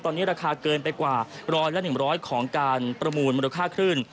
ตอนนี้ราคาเกินไปกว่าร้อยและหนึ่งร้อยของการประมูลมนุษย์ค่าขึ้น